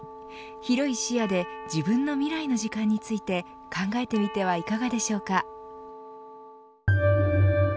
広い視野で自分の未来の時間について考えてみてはいかがでしょうか。